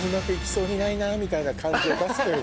みたいな感じを出すのよ